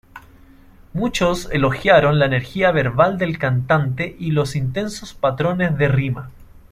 Muchos elogiaron la energía verbal del cantante y los intensos patrones de rima.